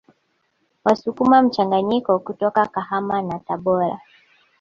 Wasukuma mchanganyiko kutoka Kahama na Tabora